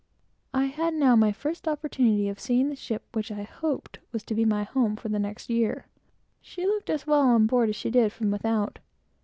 I had now my first opportunity of seeing the ship which I hoped was to be my home for the next year. She looked as well on board as she did from without.